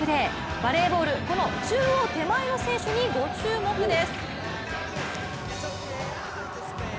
バレーボール、中央手前の選手に注目です。